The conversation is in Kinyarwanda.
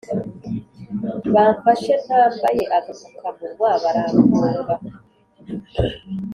Bamfashe ntambaye agapfuka munwa baramfunga